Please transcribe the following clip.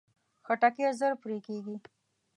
خټکی ژر پرې کېږي.